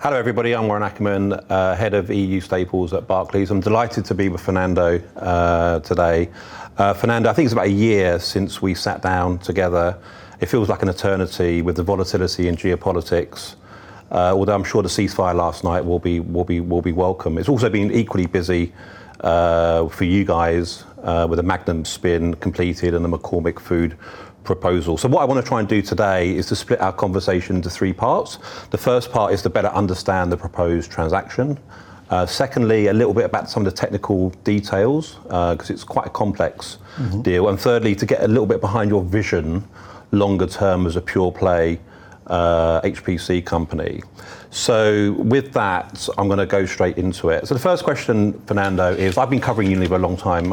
Hello, everybody. I'm Warren Ackerman, Head of EU Staples at Barclays. I'm delighted to be with Fernando today. Fernando, I think it's about a year since we sat down together. It feels like an eternity with the volatility in geopolitics. Although, I'm sure the ceasefire last night will be welcome. It's also been equally busy for you guys, with the Magnum spin completed and the McCormick food proposal. What I want to try and do today is to split our conversation into three parts. The first part is to better understand the proposed transaction. Secondly, a little bit about some of the technical details, because it's quite a complex deal. Mm-hmm. Thirdly, to get a little bit behind your vision longer term as a pure play HPC company, with that, I'm going to go straight into it. The first question, Fernando, is I've been covering Unilever a long time.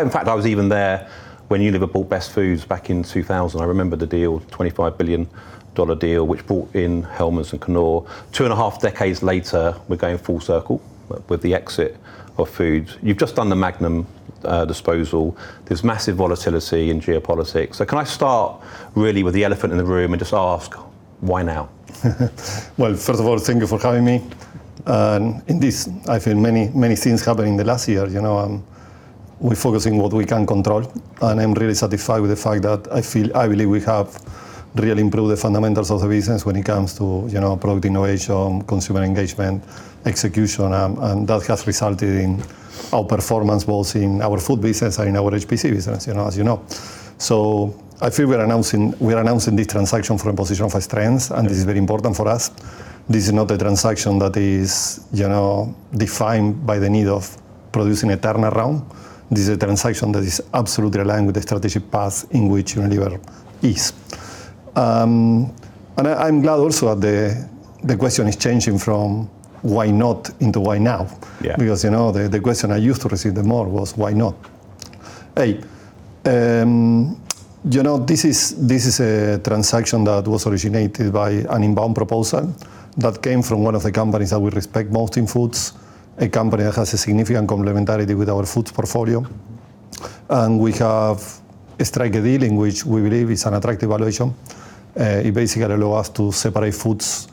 In fact, I was even there when Unilever bought Bestfoods back in 2000. I remember the deal, $25 billion deal, which brought in Hellmann's and Knorr. Two and a half decades later, we're going full circle with the exit of Foods. You've just done the Magnum disposal. There's massive volatility in geopolitics. Can I start really with the elephant in the room and just ask, why now? Well, first of all, thank you for having me. In this, I feel many things happened in the last year. We're focusing what we can control, and I'm really satisfied with the fact that I believe we have really improved the fundamentals of the business when it comes to product innovation, consumer engagement, execution, and that has resulted in our performance both in our Food business and in our HPC business, as you know. I feel we are announcing the transaction from a position of strength, and this is very important for us. This is not a transaction that is defined by the need of producing a turnaround. This is a transaction that is absolutely aligned with the strategic path in which Unilever is. I'm glad also that the question is changing from why not into why now. Yeah. The question I used to receive the most was why not. This is a transaction that was originated by an inbound proposal that came from one of the companies that we respect most in Foods, a company that has a significant complementarity with our Foods portfolio. We have strike a deal in which we believe is an attractive valuation. It basically allow us to separate Foods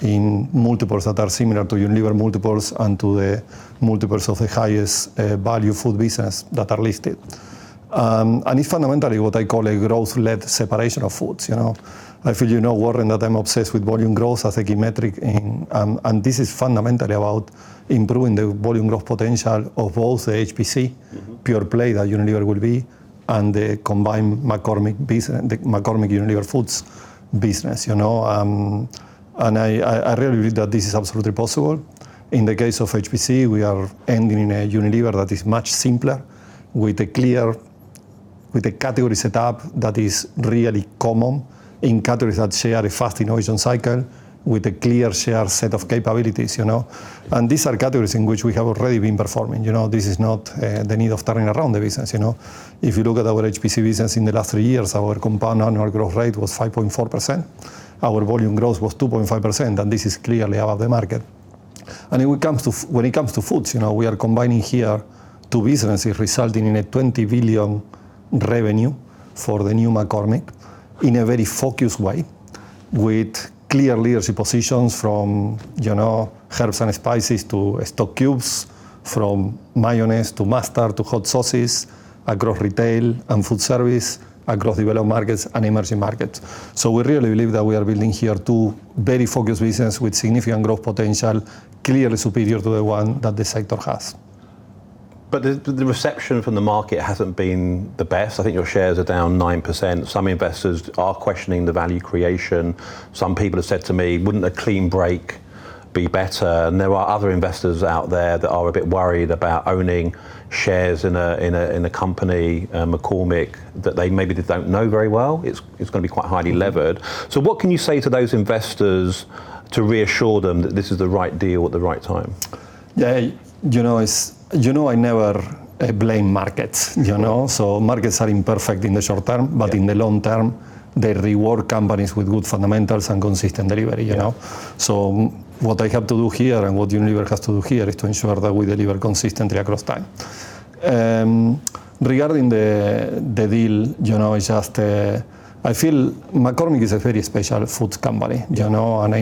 in multiples that are similar to Unilever multiples and to the multiples of the highest value food business that are listed. It's fundamentally what I call a growth-led separation of Foods. I feel, you know, Warren, that I'm obsessed with volume growth as a key metric. This is fundamentally about improving the volume growth potential of both the HPC. Mm-hmm. Pure play that Unilever will be, and the combined McCormick Unilever Foods business. I really believe that this is absolutely possible. In the case of HPC, we are ending in a Unilever that is much simpler with a category setup that is really common in categories that share a fast innovation cycle with a clear shared set of capabilities. These are categories in which we have already been performing. This is not the need of turning around the business. If you look at our HPC business, in the last three years, our compound annual growth rate was 5.4%. Our volume growth was 2.5%, and this is clearly above the market. When it comes to Foods, we are combining here two businesses resulting in a 20 billion revenue for the new McCormick in a very focused way, with clear leadership positions from herbs and spices to stock cubes, from mayonnaise to mustard, to hot sauces, across retail and food service, across developed markets and emerging markets. We really believe that we are building here two very focused businesses with significant growth potential, clearly superior to the one that the sector has. The reception from the market hasn't been the best. I think your shares are down 9%. Some investors are questioning the value creation. Some people have said to me, "Wouldn't a clean break be better?" There are other investors out there that are a bit worried about owning shares in a company, McCormick, that they maybe don't know very well. It's going to be quite highly levered. What can you say to those investors to reassure them that this is the right deal at the right time? Yeah. You know I never blame markets. Mm-hmm. Markets are imperfect in the short term. In the long term, they reward companies with good fundamentals and consistent delivery. Mm-hmm. What I have to do here, and what Unilever has to do here, is to ensure that we deliver consistently across time. Regarding the deal, I feel McCormick is a very special foods company. I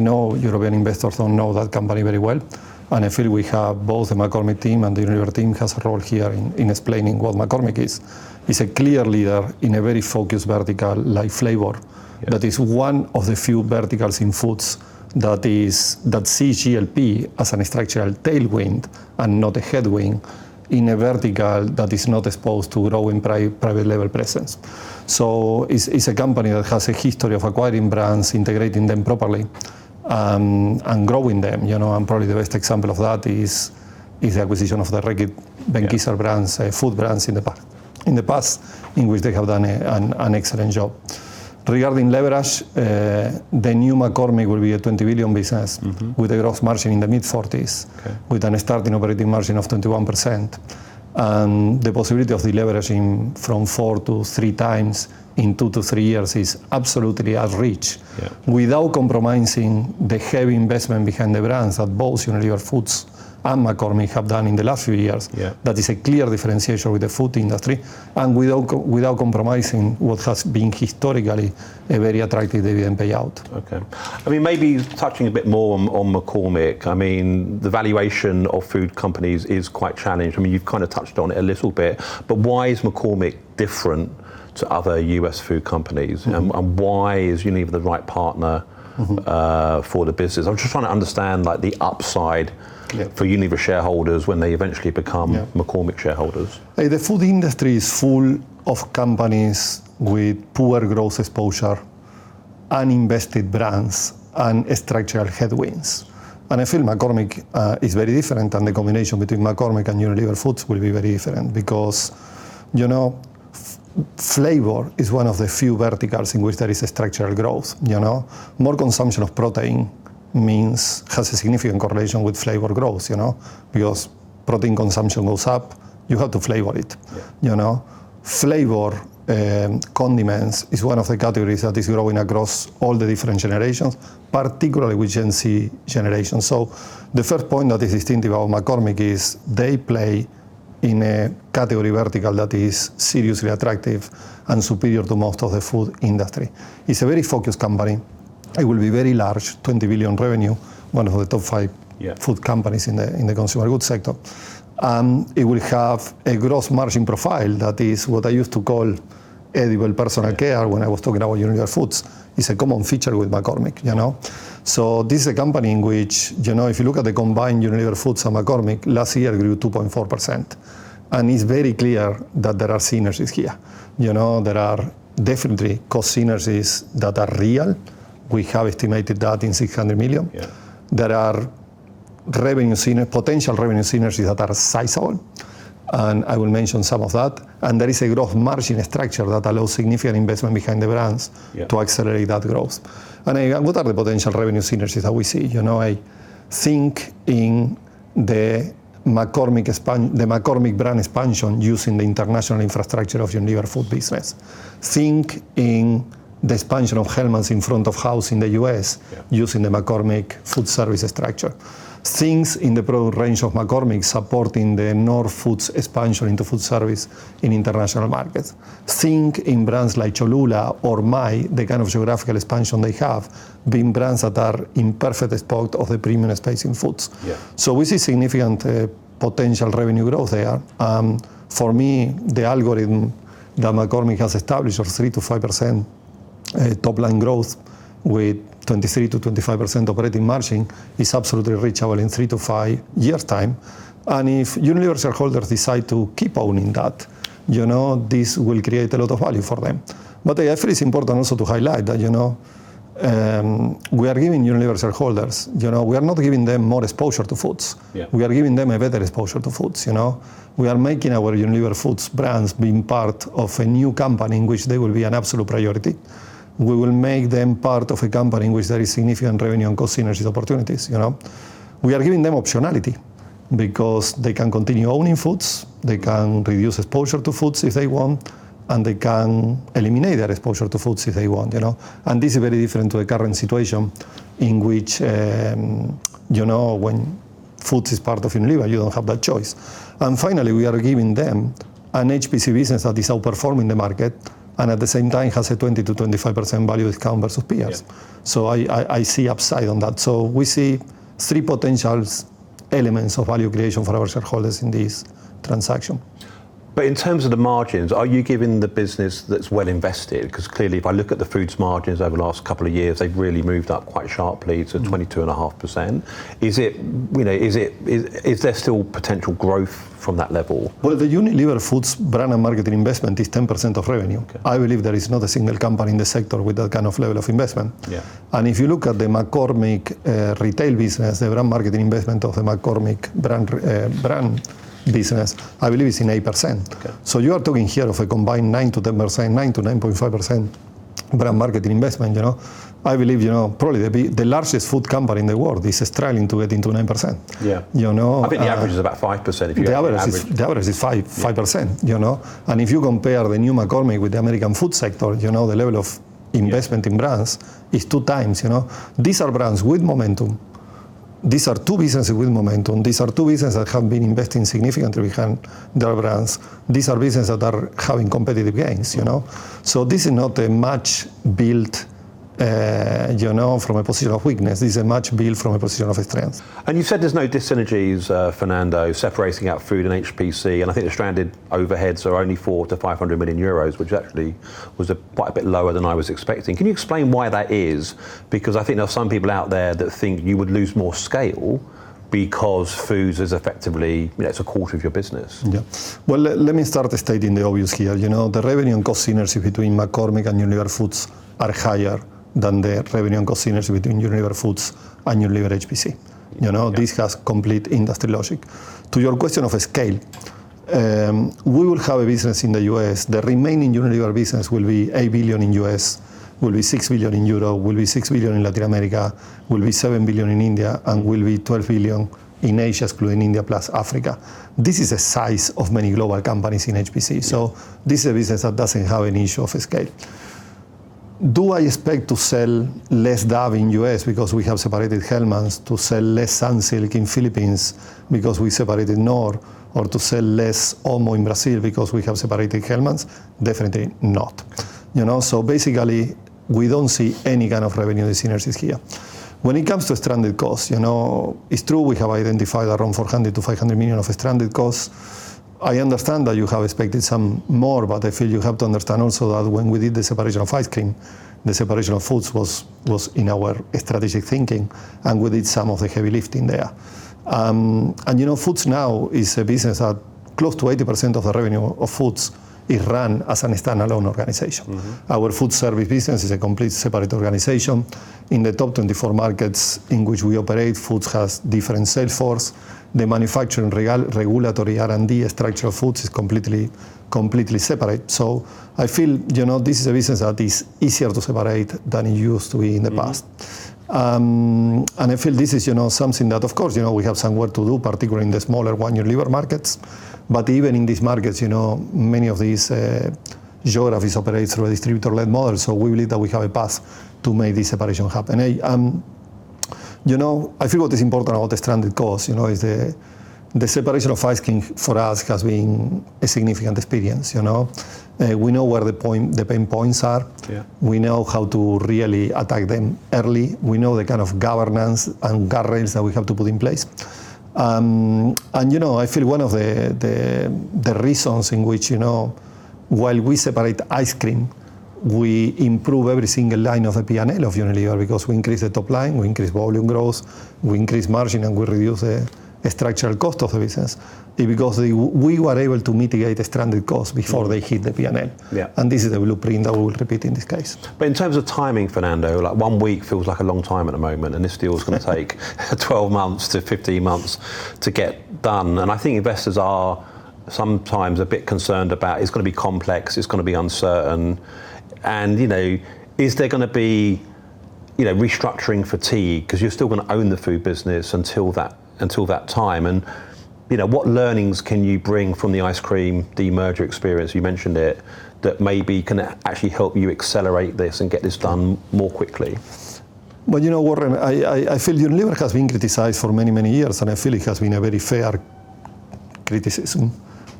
know European investors don't know that company very well. I feel we have both the McCormick team and the Unilever team has a role here in explaining what McCormick is. It's a clear leader in a very focused vertical like flavor that is one of the few verticals in foods that sees GLP as a structural tailwind and not a headwind in a vertical that is not exposed to growing private label presence. It's a company that has a history of acquiring brands, integrating them properly, and growing them. Probably the best example of that is the acquisition of the Reckitt Benckiser brands, food brands in the past, in which they have done an excellent job. Regarding leverage, the new McCormick will be a $20 billion business. Mm-hmm. With a gross margin in the mid-40s%. Okay. With a starting operating margin of 21%, the possibility of deleveraging from 4x-3x in 2-3 years is absolutely at reach. Yeah. Without compromising the heavy investment behind the brands that both Unilever Foods and McCormick have done in the last few years. Yeah. That is a clear differentiation with the food industry and without compromising what has been historically a very attractive dividend payout. Okay. Maybe touching a bit more on McCormick, the valuation of food companies is quite challenged. You've kind of touched on it a little bit. Why is McCormick different to other U.S. food companies? Mm-hmm. Why is Unilever the right partner? Mm-hmm. For the business? I'm just trying to understand the upside. Yeah. For Unilever shareholders when they eventually become. Yeah. McCormick shareholders. The food industry is full of companies with poor growth exposure, uninvested brands, and structural headwinds. I feel McCormick is very different, and the combination between McCormick and Unilever Foods will be very different because flavor is one of the few verticals in which there is structural growth. More consumption of protein has a significant correlation with flavor growth. Because protein consumption goes up, you have to flavor it. Yeah. Flavor and condiments is one of the categories that is growing across all the different generations, particularly with Gen Z generation. The first point that is distinctive about McCormick is they play in a category vertical that is seriously attractive and superior to most of the food industry. It's a very focused company. It will be very large, $20 billion revenue, one of the top five. Yeah. Food companies in the consumer goods sector. It will have a gross margin profile that is what I used to call edible personal care when I was talking about Unilever Foods. It's a common feature with McCormick. This is a company in which, if you look at the combined Unilever Foods and McCormick, last year grew 2.4%. It's very clear that there are synergies here. There are definitely cost synergies that are real. We have estimated that in $600 million. Yeah. There are potential revenue synergies that are sizable, and I will mention some of that. There is a gross margin structure that allows significant investment behind the brands. Yeah. To accelerate that growth. What are the potential revenue synergies that we see? I think in the McCormick brand expansion using the international infrastructure of Unilever food business. Think in the expansion of Hellmann's in front of house in the U.S. Yeah. Using the McCormick food service structure. Think in the broad range of McCormick supporting the Knorr foods expansion into food service in international markets. Think in brands like Cholula or Maille, the kind of geographical expansion they have, being brands that are in perfect spot of the premium space in foods. Yeah. We see significant potential revenue growth there. For me, the algorithm that McCormick has established of 3%-5% top-line growth with 23%-25% operating margin is absolutely reachable in 3-5 years time. If Unilever shareholders decide to keep owning that, this will create a lot of value for them. It is important also to highlight that we are giving Unilever shareholders, we are not giving them more exposure to foods. Yeah. We are giving them a better exposure to foods. We are making our Unilever foods brands being part of a new company in which they will be an absolute priority. We will make them part of a company in which there is significant revenue and cost synergies opportunities. We are giving them optionality because they can continue owning foods, they can reduce exposure to foods if they want, and they can eliminate their exposure to foods if they want. This is very different to the current situation in which when foods is part of Unilever, you don't have that choice. Finally, we are giving them an HPC business that is outperforming the market, and at the same time has a 20%-25% valuation discount versus peers. Yeah. I see upside on that. We see three potential elements of value creation for our shareholders in this transaction. In terms of the margins, are you giving the business that's well invested? Because clearly if I look at the foods margins over the last couple of years, they've really moved up quite sharply to 22.5%, is there still potential growth from that level? Well, the Unilever Foods Brand and Marketing Investment is 10% of revenue. Okay. I believe there is not a single company in the sector with that kind of level of investment. Yeah. If you look at the McCormick retail business, the Brand Marketing Investment of the McCormick brand business, I believe it's at 8%. Okay. You are talking here of a combined 9%-10%, 9%-9.5% Brand Marketing Investment. I believe, probably the largest food company in the world is struggling to get into 9%. Yeah. You know. I think the average is about 5% if you take the average. The average is 5%. Yeah. If you compare the new McCormick with the American food sector, the level of investment. Yeah. In brands is 2x. These are brands with momentum. These are two businesses with momentum. These are two businesses that have been investing significantly behind their brands. These are businesses that are having competitive gains. This is not a move built from a position of weakness. This is move built from a position of strength. You said there's no dissynergies, Fernando, separating out food and HPC, and I think the stranded overheads are only 400 million-500 million euros, which actually was quite a bit lower than I was expecting. Can you explain why that is? Because I think there are some people out there that think you would lose more scale because foods is effectively a quarter of your business. Yeah. Well, let me start stating the obvious here. The revenue and cost synergy between McCormick and Unilever Foods are higher than the revenue and cost synergy between Unilever Foods and Unilever HPC. Yeah. This has complete industry logic. To your question of scale, we will have a business in the U.S. The remaining Unilever business will be 8 billion in U.S., will be 6 billion euro in Europe, will be 6 billion in Latin America, will be 7 billion in India, and will be 12 billion in Asia, including India plus Africa. This is a size of many global companies in HPC. Yeah. This business doesn't have an issue of scale. Do I expect to sell less Dove in U.S. because we have separated Hellmann's, to sell less Sunsilk in Philippines because we separated Knorr, or to sell less OMO in Brazil because we have separated Hellmann's? Definitely not. We don't see any kind of revenue synergies here. When it comes to stranded costs, it's true we have identified around 400 million-500 million of stranded costs. I understand that you have expected some more, but I feel you have to understand also that when we did the separation of ice cream, the separation of Foods was in our strategic thinking. We did some of the heavy lifting there. Foods now is a business that close to 80% of the revenue of Foods is run as a standalone organization. Our food service business is a complete separate organization. In the top 24 markets in which we operate, Foods has different sales force. The manufacturing, regulatory, R&D, structural Foods is completely separate. I feel this is a business that is easier to separate than it used to be in the past. I feel this is something that, of course, we have some work to do, particularly in the smaller Unilever markets. Even in these markets, many of these geographies operate through a distributor-led model. We believe that we have a path to make this separation happen. I feel what is important about the stranded costs is the separation of ice cream for us has been a significant experience. We know where the pain points are. Yeah. We know how to really attack them early. We know the kind of governance and guardrails that we have to put in place. I feel one of the reasons in which, while we separate ice cream, we improve every single line of a P&L of Unilever because we increase the top line, we increase volume growth, we increase margin, and we reduce the structural cost of the business because we were able to mitigate the stranded cost before they hit the P&L. Yeah. This is the blueprint that we will repeat in this case. In terms of timing, Fernando, one week feels like a long time at the moment, and this deal is going to take 12-15 months to get done. I think investors are sometimes a bit concerned about it's going to be complex, it's going to be uncertain, and is there going to be restructuring fatigue because you're still going to own the food business until that time? What learnings can you bring from the ice cream demerger experience, you mentioned it, that maybe can actually help you accelerate this and get this done more quickly? Well, Warren, I feel Unilever has been criticized for many, many years, and I feel it has been a very fair criticism,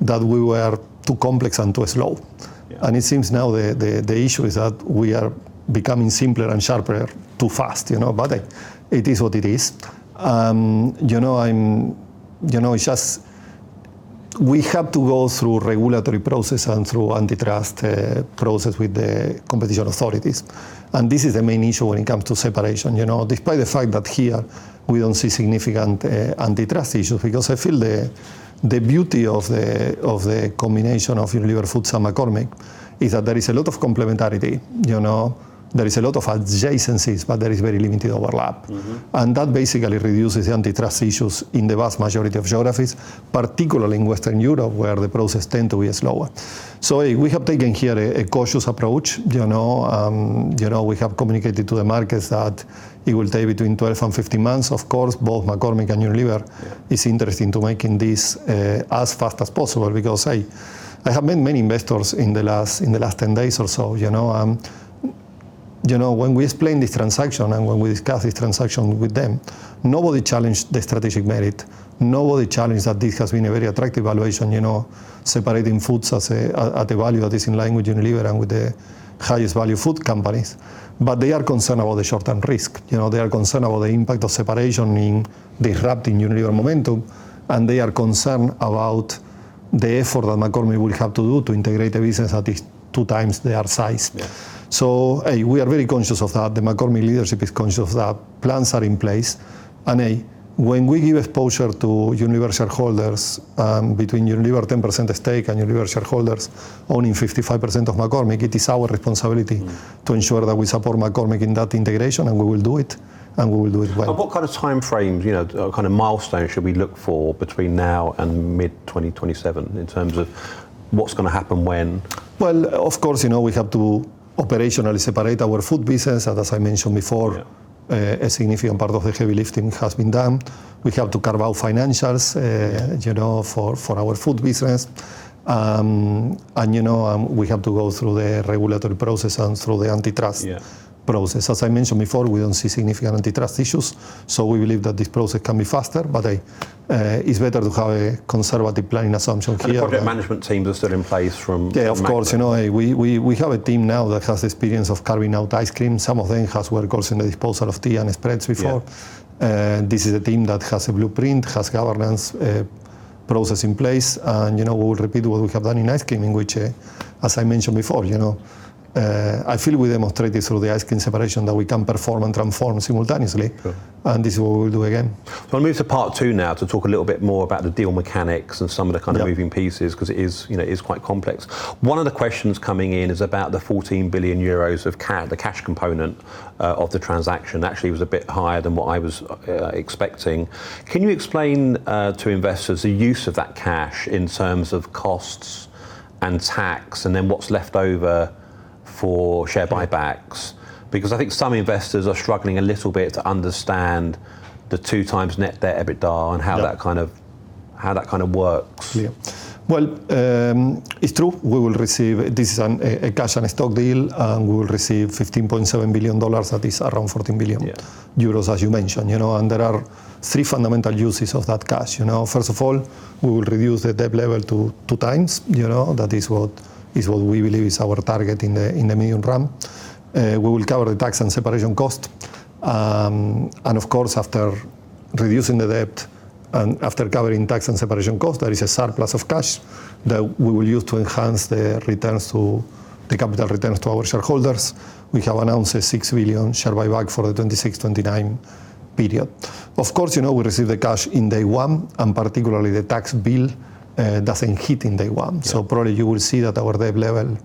that we were too complex and too slow. Yeah. It seems now the issue is that we are becoming simpler and sharper too fast. It is what it is. We have to go through regulatory process and through antitrust process with the competition authorities, and this is the main issue when it comes to separation. Despite the fact that here we don't see significant antitrust issues, because I feel the beauty of the combination of Unilever Foods and McCormick is that there is a lot of complementarity. There is a lot of adjacencies, but there is very limited overlap. And that basically reduces the antitrust issues in the vast majority of geographies, particularly in Western Europe, where the process tend to be slower. So we have taken here a cautious approach. We have communicated to the markets that it will take between 12 and 15 months. Of course, both McCormick and Unilever is interesting to making this as fast as possible because I have met many investors in the last 10 days or so. When we explain this transaction and when we discuss this transaction with them, nobody challenged the strategic merit, nobody challenged that this has been a very attractive valuation separating Foods at the value that is in line with Unilever and with the highest value food companies. But they are concerned about the short-term risk. They are concerned about the impact of separation in disrupting Unilever momentum, and they are concerned about the effort that McCormick will have to do to integrate a business that is 2x their size. Yeah. We are very conscious of that. The McCormick leadership is conscious of that. Plans are in place. When we give exposure to Unilever shareholders, between Unilever 10% stake and Unilever shareholders owning 55% of McCormick, it is our responsibility to ensure that we support McCormick in that integration, and we will do it, and we will do it well. What kind of time frames, what kind of milestones should we look for between now and mid-2027 in terms of what's going to happen when? Well, of course, we have to operationally separate our food business, as I mentioned before. Yeah. A significant part of the heavy lifting has been done. We have to carve out financials for our food business. We have to go through the regulatory process and through the antitrust. Yeah. Process. As I mentioned before, we don't see significant antitrust issues, so we believe that this process can be faster. It's better to have a conservative planning assumption here. The project management teams are still in place from McCormick. Yeah, of course. We have a team now that has experience of carving out ice cream. Some of them has worked also in the disposal of tea and spreads before. Yeah. This is a team that has a blueprint, has governance process in place, and we will repeat what we have done in ice cream, in which, as I mentioned before, I feel we demonstrated through the ice cream separation that we can perform and transform simultaneously. Good. This is what we'll do again. I'll move to part two now to talk a little bit more about the deal mechanics. Yeah. Moving pieces, because it is quite complex. One of the questions coming in is about the 14 billion euros of the cash component of the transaction. Actually, it was a bit higher than what I was expecting. Can you explain to investors the use of that cash in terms of costs and tax, and then what's left over for share buybacks? Because I think some investors are struggling a little bit to understand the 2x net debt EBITDA and how that kind of works. Yeah. Well, it's true. This is a cash and a stock deal, and we will receive $15.7 billion. That is around 14 billion euros. Yeah. As you mentioned. There are three fundamental uses of that cash. First of all, we will reduce the debt level to 2x. That is what we believe is our target in the medium run. We will cover the tax and separation cost. Of course, after reducing the debt and after covering tax and separation costs, there is a surplus of cash that we will use to enhance the capital returns to our shareholders. We have announced a $6 billion share buyback for the 2026-2029 period. Of course, we receive the cash in day one, and particularly the tax bill doesn't hit in day one. Yeah. Probably you will see that our debt level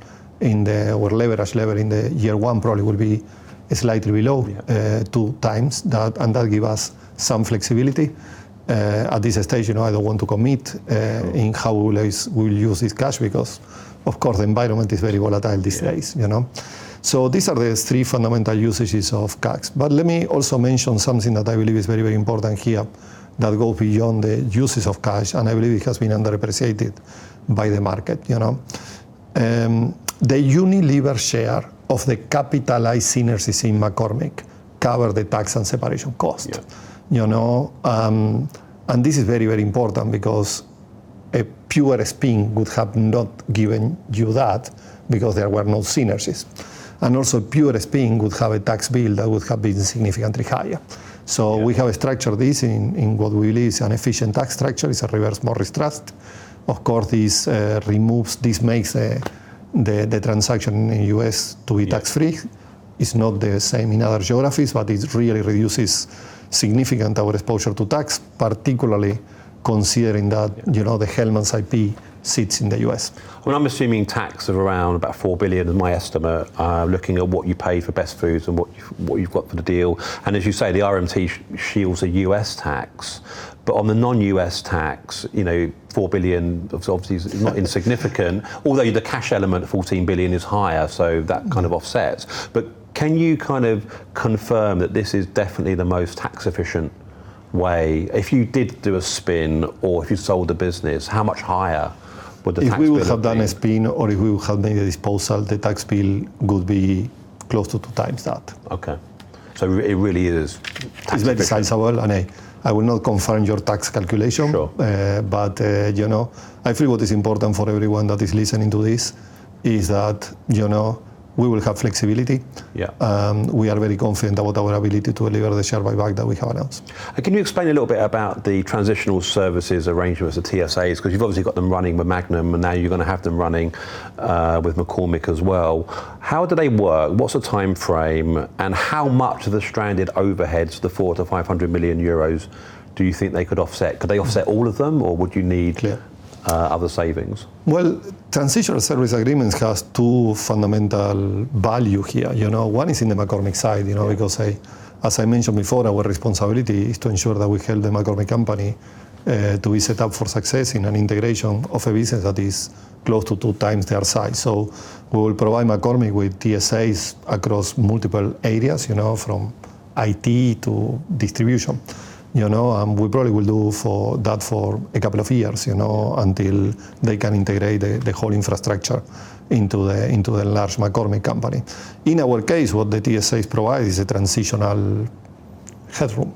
or leverage level in the year one probably will be slightly below. Yeah. Two times that, and that'll give us some flexibility. At this stage, I don't want to commit. Sure. In how we'll use this cash because, of course, the environment is very volatile these days. Yeah. These are the three fundamental usages of cash. Let me also mention something that I believe is very important here that go beyond the uses of cash, and I believe it has been underappreciated by the market. The Unilever share of the capitalized synergies in McCormick cover the tax and separation cost. Yeah. This is very important because a pure spin would have not given you that because there were no synergies. Also pure spin would have a tax bill that would have been significantly higher. Yeah. We have structured this in what we believe is an efficient tax structure. It's a Reverse Morris Trust. Of course, this makes the transaction in the U.S. to be tax-free. Yeah. It's not the same in other geographies, but it really reduces significantly our exposure to tax, particularly considering that. Yeah. The Hellmann's IP sits in the U.S. Well, I'm assuming tax of around about $4 billion in my estimate, looking at what you pay for Best Foods and what you've got for the deal. As you say, the RMT shields the U.S. tax. On the non-U.S. tax, $4 billion obviously is not insignificant, although the cash element of $14 billion is higher, so that kind of offsets. Can you kind of confirm that this is definitely the most tax-efficient way? If you did do a spin or if you sold the business, how much higher would the tax bill have been? If we would have done a spin or if we would have made a disposal, the tax bill would be close to 2x that. Okay. It really is tax efficient. It's very sizable, and I will not confirm your tax calculation. Sure. I feel what is important for everyone that is listening to this is that we will have flexibility. Yeah. We are very confident about our ability to deliver the share buyback that we have announced. Can you explain a little bit about the Transitional Services Arrangements, the TSAs, because you've obviously got them running with Magnum, and now you're going to have them running with McCormick as well. How do they work? What's the timeframe? How much of the stranded overheads, the 400 million-500 million euros, do you think they could offset? Could they offset all of them? Yeah. Or would you need other savings? Well, Transition Service Agreements has two fundamental value here. One is in the McCormick side. Yeah. Because as I mentioned before, our responsibility is to ensure that we help McCormick & Company to be set up for success in an integration of a business that is close to 2x their size. We will provide McCormick with TSAs across multiple areas, from IT to distribution. We probably will do that for a couple of years until they can integrate the whole infrastructure into the large McCormick & Company. In our case, what the TSAs provide is a transitional headroom.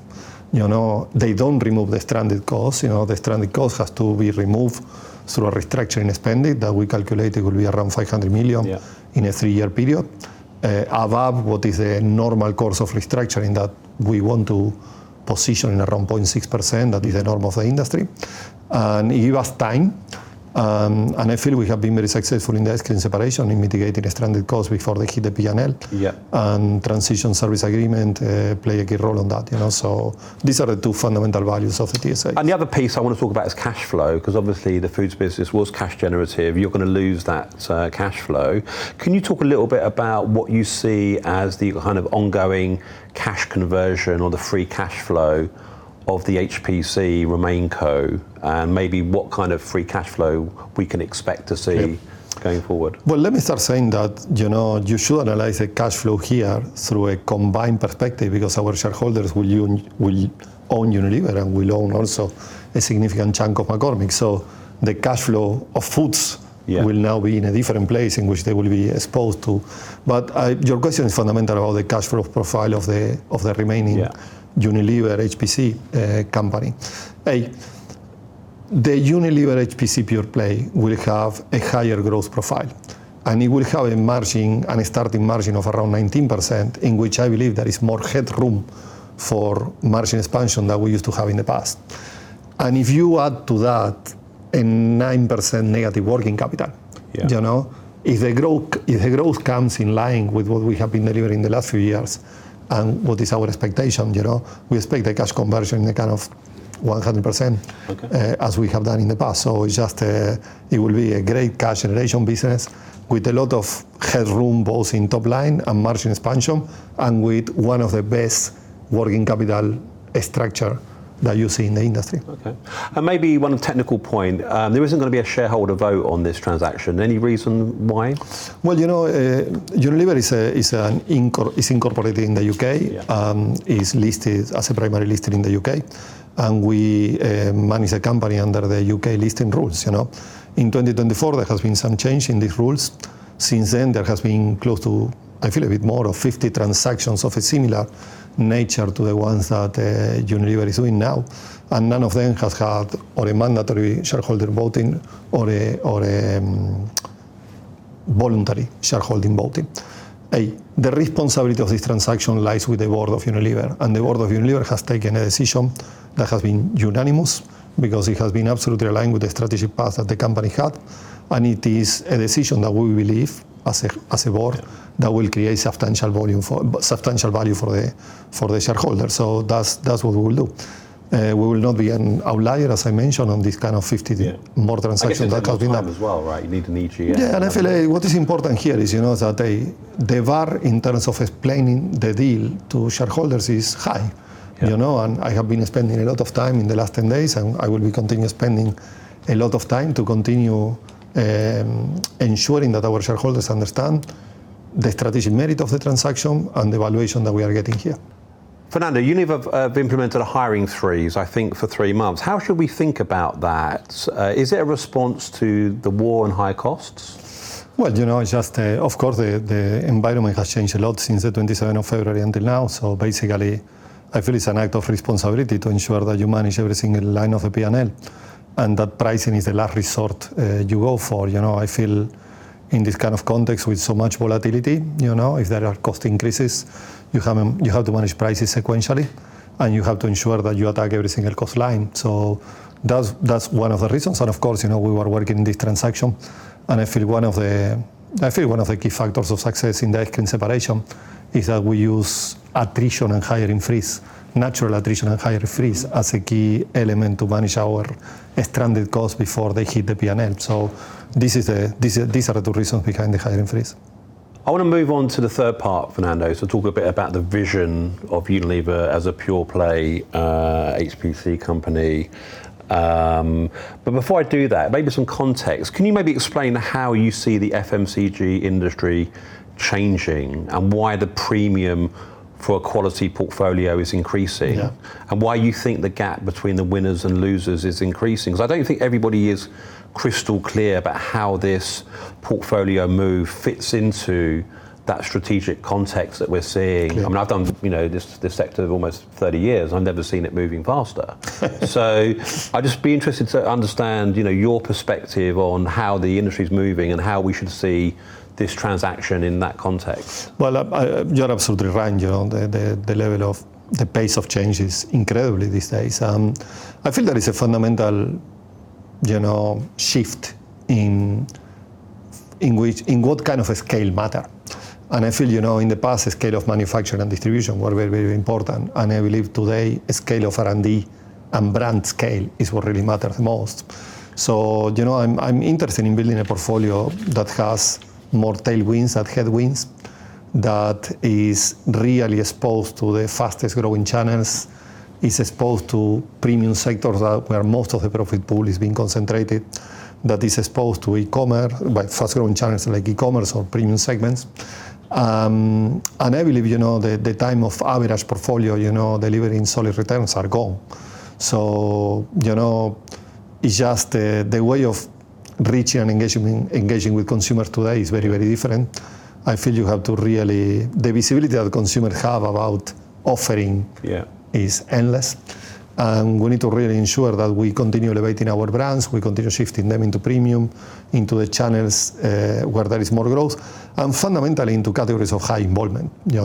They don't remove the stranded costs. The stranded costs have to be removed through a restructuring spend that we calculate it will be around $500 million. Yeah. In a three-year period, above what is a normal course of restructuring that we want to position around 0.6%. That is the norm of the industry. It gives us time, and I feel we have been very successful in the ice cream separation, in mitigating the stranded costs before they hit the P&L. Yeah. Transition Service Agreements play a key role in that. These are the two fundamental values of the TSA. The other piece I want to talk about is cash flow, because obviously the Foods business was cash generative. You're going to lose that cash flow. Can you talk a little bit about what you see as the kind of ongoing cash conversion or the free cash flow of the HPC RemainCo, and maybe what kind of free cash flow we can expect to see? Yeah. Going forward? Well, let me start saying that you should analyze the cash flow here through a combined perspective because our shareholders will own Unilever and will own also a significant chunk of McCormick. The cash flow of Foods. Yeah. Will now be in a different place in which they will be exposed to. Your question is fundamental, the cash flow profile of the RemainCo. Yeah. Unilever HPC company. The Unilever HPC pure-play will have a higher growth profile, and it will have a starting margin of around 19%, in which I believe there is more headroom for margin expansion than we used to have in the past. If you add to that a 9% negative working capital. Yeah. If the growth comes in line with what we have been delivering the last few years and what is our expectation, we expect the cash conversion in the kind of 100%. Okay. As we have done in the past, it will be a great cash generation business with a lot of headroom both in top line and margin expansion, and with one of the best working capital structure that you see in the industry. Okay, maybe one technical point, there isn't going to be a shareholder vote on this transaction. Any reason why? Well, Unilever is incorporated in the U.K. Yeah. Is listed as a primary listing in the U.K. And we manage the company under the U.K. listing rules. In 2024, there has been some change in these rules. Since then, there has been close to, I feel a bit more of 50 transactions of a similar nature to the ones that Unilever is doing now, and none of them has had or a mandatory shareholder voting or avoluntary shareholding voting. The responsibility of this transaction lies with the board of Unilever, and the board of Unilever has taken a decision that has been unanimous because it has been absolutely aligned with the strategic path that the company had. And it is a decision that we believe as a board that will create substantial value for the shareholders. So that's what we will do. We will not be an outlier, as I mentioned, on this kind of 50. Yeah. More transactions that comes in up. I guess there's timing up as well, right? Yeah. I feel what is important here is that the bar in terms of explaining the deal to shareholders is high. Yeah. I have been spending a lot of time in the last 10 days, and I will be continue spending a lot of time to continue ensuring that our shareholders understand the strategic merit of the transaction and the valuation that we are getting here. Fernando, Unilever have implemented a hiring freeze, I think, for three months. How should we think about that? Is it a response to the war and high costs? Well, of course, the environment has changed a lot since the 27th of February until now. Basically, I feel it's an act of responsibility to ensure that you manage every single line of a P&L, and that pricing is the last resort you go for. I feel in this kind of context with so much volatility, if there are cost increases, you have to manage prices sequentially, and you have to ensure that you attack every single cost line. That's one of the reasons. Of course, we were working this transaction, and I feel one of the key factors of success in the ice cream separation is that we use natural attrition and hiring freeze as a key element to manage our stranded costs before they hit the P&L. These are the two reasons behind the hiring freeze. I want to move on to the third part, Fernando. Talk a bit about the vision of Unilever as a pure-play HPC company. Before I do that, maybe some context, can you maybe explain how you see the FMCG industry changing and why the premium for a quality portfolio is increasing? Yeah. Why you think the gap between the winners and losers is increasing, because I don't think everybody is crystal clear about how this portfolio move fits into that strategic context that we're seeing? Yeah. I mean, I've done this sector almost 30 years. I've never seen it moving faster. I'd just be interested to understand your perspective on how the industry's moving and how we should see this transaction in that context. Well, you're absolutely right. The level of the pace of change is incredible these days. I feel there is a fundamental shift in what kind of a scale matter. I feel, in the past, the scale of manufacturing and distribution were very, very important. I believe today, scale of R&D and brand scale is what really matters most. I'm interested in building a portfolio that has more tailwinds than headwinds, that is really exposed to the fastest-growing channels, is exposed to premium sectors where most of the profit pool is being concentrated. That is exposed to e-commerce by fast-growing channels like e-commerce or premium segments. I believe, the time of average portfolio delivering solid returns are gone. It's just the way of reaching and engaging with consumers today is very, very different. I feel you have to really. The visibility that the consumer have about offering. Yeah. Is endless. We need to really ensure that we continue elevating our brands, we continue shifting them into premium, into the channels where there is more growth, and fundamentally, into categories of high involvement. Yeah.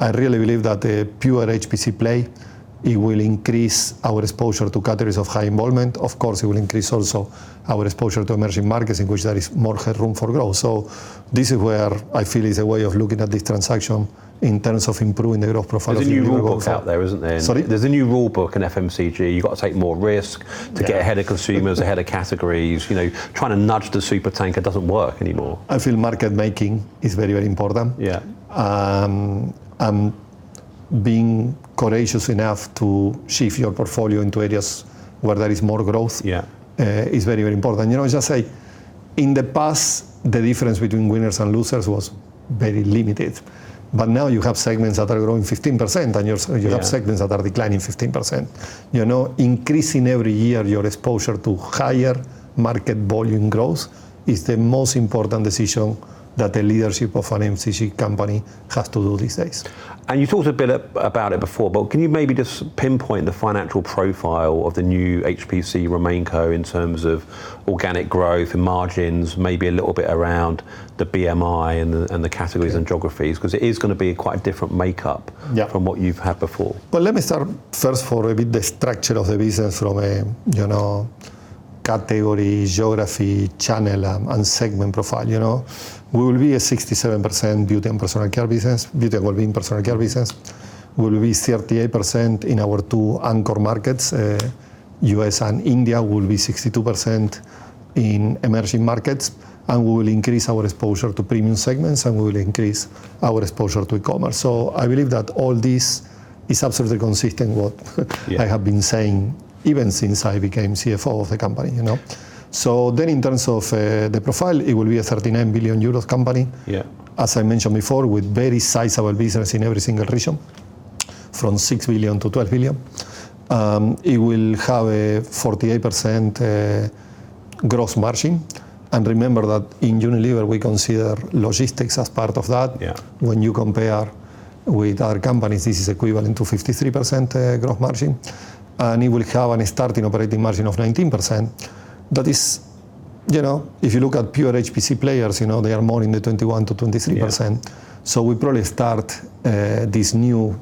I really believe that the pure HPC play, it will increase our exposure to categories of high involvement. Of course, it will increase also our exposure to emerging markets in which there is more headroom for growth. This is where I feel is a way of looking at this transaction in terms of improving the growth profile of the new profile. There's a new rule book out there, isn't there? Sorry? There's a new rule book in FMCG. You've got to take more risk to get. Yeah. Ahead of consumers, ahead of categories. Trying to nudge the supertanker doesn't work anymore. I feel market making is very, very important. Yeah. Being courageous enough to shift your portfolio into areas where there is more growth. Yeah. This is very, very important. As I say, in the past, the difference between winners and losers was very limited. Now you have segments that are growing 15%. Yeah. Segments that are declining 15%. Increasing every year your exposure to higher market volume growth is the most important decision that the leadership of an FMCG company has to do these days. You talked a bit about it before, but can you maybe just pinpoint the financial profile of the new HPC RemainCo in terms of organic growth and margins, maybe a little bit around the B&MI and the categories and geographies, because it is going to be a quite different makeup? Yeah. From what you've had before. Let me start first for a bit the structure of the business from a category, geography, channel and segment profile. We will be a 67% Beauty & Wellbeing and Personal Care business. Beauty & Wellbeing personal care business. We will be 38% in our two anchor markets, U.S. and India will be 62% in emerging markets. And we will increase our exposure to premium segments and we will increase our exposure to e-commerce. So I believe that all these is absolutely consistent what. Yeah. I have been saying even since I became CFO of the company. In terms of the profile, it will be a 39 billion euros company. Yeah. As I mentioned before, with very sizable business in every single region, from 6 billion-12 billion, it will have a 48% gross margin. Remember that in Unilever, we consider logistics as part of that. Yeah. When you compare with other companies, this is equivalent to 53% gross margin. It will have a starting operating margin of 19%. If you look at pure HPC players, they are more in the 21%-23%. Yeah. We probably start this new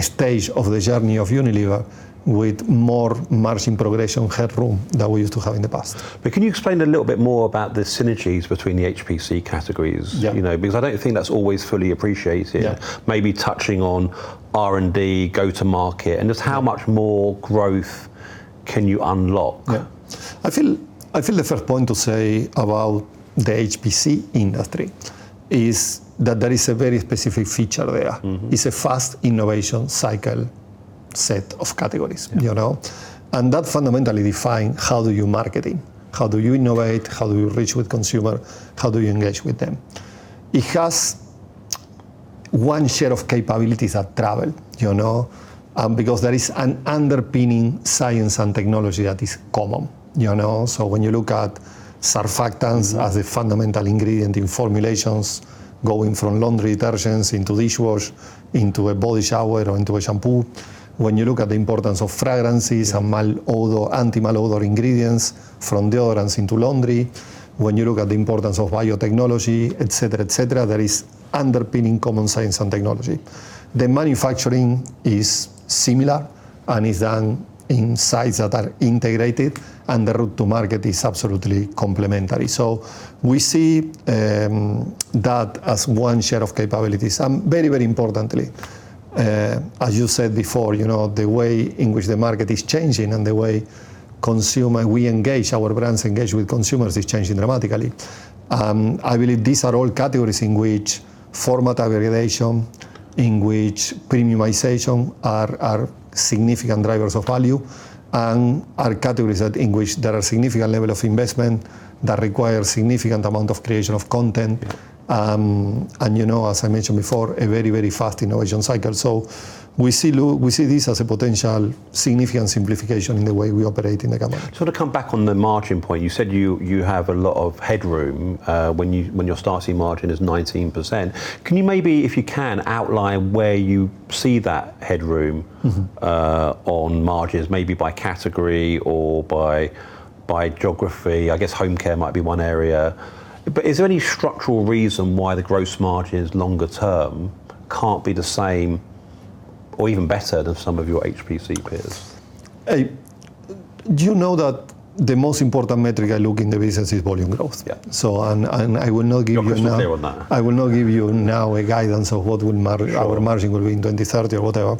stage of the journey of Unilever with more margin progression headroom than we used to have in the past. Can you explain a little bit more about the synergies between the HPC categories? Yeah. Because I don't think that's always fully appreciated. Yeah. Maybe touching on R&D, go-to-market, and just how much more growth can you unlock? Yeah. I feel the first point to say about the HPC industry is that there is a very specific feature there. Mm-hmm. It's a fast innovation cycle set of categories. Yeah. That fundamentally defines how do you marketing, how do you innovate, how do you reach with consumer, how do you engage with them. It has one set of capabilities that travel, because there is an underpinning science and technology that is common. When you look at surfactants as a fundamental ingredient in formulations, going from laundry detergents into dishwash, into a body shower, or into a shampoo. When you look at the importance of fragrances and anti-malodor ingredients from deodorants into laundry. When you look at the importance of biotechnology, et cetera. There is underpinning common science and technology. The manufacturing is similar and is done in sites that are integrated, and the route to market is absolutely complementary. We see that as one set of capabilities. And very, very importantly, as you said before, the way in which the market is changing and the way consumer we engage, our brands, engage with consumers is changing dramatically. I believe these are all categories in which format aggregation, in which premiumization, are significant drivers of value and are categories in which there are significant level of investment that require significant amount of creation of content, and as I mentioned before, a very fast innovation cycle. So we see this as a potential significance simplification in the way we operate in the government. To come back on the margin point, you said you have a lot of headroom when your starting margin is 19%. Can you maybe, if you can, outline where you see that headroom? Mm-hmm. On margins, maybe by category or by geography. I guess Home Care might be one area. Is there any structural reason why the gross margins longer term can't be the same or even better than some of your HPC peers? Do you know that the most important metric I look in the business is volume growth? Yeah. I will not give you now. Obviously, I would know. I will not give you now a guidance of what our margin will be in 2030 or whatever.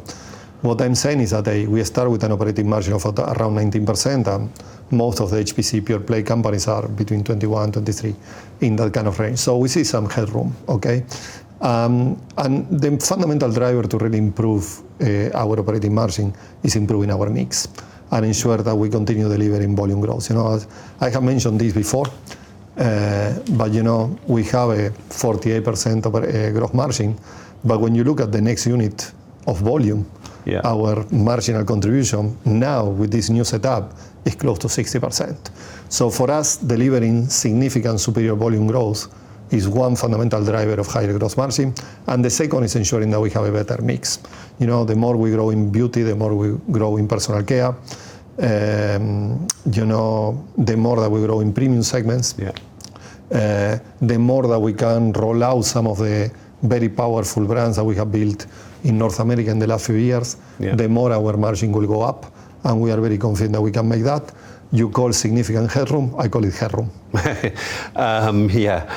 What I'm saying is that we start with an operating margin of around 19%, and most of the HPC pure-play companies are between 21%-23%, in that kind of range. We see some headroom. Okay? The fundamental driver to really improve our operating margin is improving our mix and ensure that we continue delivering volume growth. As I have mentioned this before, we have a 48% of our gross margin. But when you look a the next unit of volume. Yeah. Our marginal contribution now with this new setup is close to 60%. For us, delivering significant superior volume growth is one fundamental driver of higher gross margin. The second is ensuring that we have a better mix. The more we grow in Beauty, the more we grow in Personal Care, the more that we grow in premium segments. Yeah. The more that we can roll out some of the very powerful brands that we have built in North America in the last few years. Yeah. The more our margin will go up. We are very confident that we can make that. You call significant headroom. I call it headroom. Yeah.